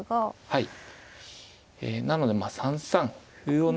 はい。